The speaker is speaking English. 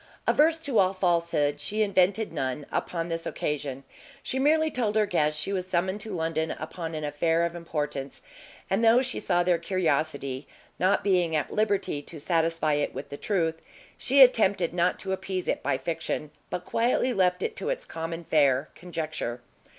Averse to all falsehood, she invented none upon this occasion; she merely told her guests she was summoned to London upon an affair of importance; and though she saw their curiosity, not being at liberty to satisfy it with the truth, she attempted not to appease it by fiction, but quietly left it to its common fare, conjecture.